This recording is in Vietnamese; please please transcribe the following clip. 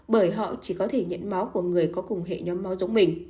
bởi họ chỉ có thể nhận máu của người có cùng hệ nhóm máu giống mình